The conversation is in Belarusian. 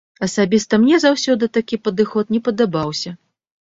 Асабіста мне заўсёды такі падыход не падабаўся.